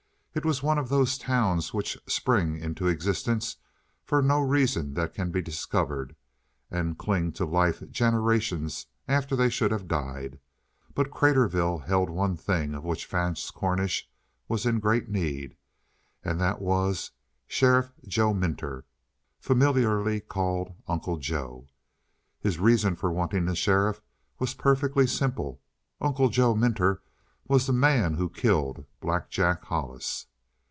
It was one of those towns which spring into existence for no reason that can be discovered, and cling to life generations after they should have died. But Craterville held one thing of which Vance Cornish was in great need, and that was Sheriff Joe Minter, familiarly called Uncle Joe. His reason for wanting the sheriff was perfectly simple. Uncle Joe Minter was the man who killed Black Jack Hollis.